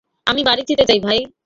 আমি বাড়ি যেতে চাই, ভাই।